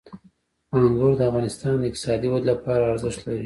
انګور د افغانستان د اقتصادي ودې لپاره ارزښت لري.